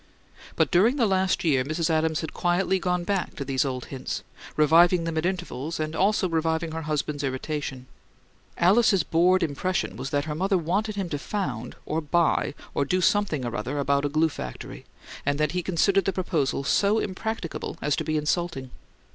But during the last year Mrs. Adams had quietly gone back to these old hints, reviving them at intervals and also reviving her husband's irritation. Alice's bored impression was that her mother wanted him to found, or buy, or do something, or other, about a glue factory; and that he considered the proposal so impracticable as to be insulting.